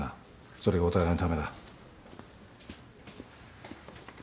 それがお互いのためだ。